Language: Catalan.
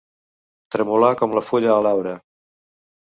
Tremolar com la fulla a l'arbre.